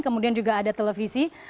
kemudian juga ada televisi